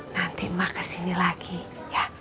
nanti mah kesini lagi ya